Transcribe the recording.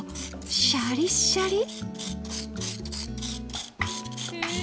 シャリッシャリ！